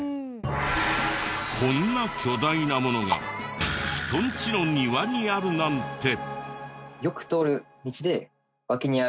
こんな巨大なものが人んちの庭にあるなんて！